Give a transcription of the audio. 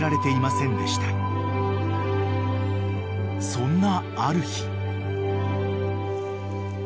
［そんなある日］